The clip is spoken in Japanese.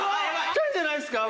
きたんじゃないですか？